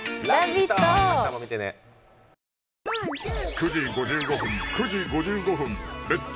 ９時５５分９時５５分「レッツ！